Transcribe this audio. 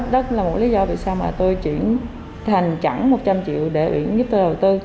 đất là một lý do vì sao mà tôi chuyển thành chẳng một trăm linh triệu để uyển giúp tôi đầu tư